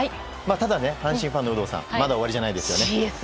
ただ阪神ファンの有働さんまだ終わりじゃないですよね。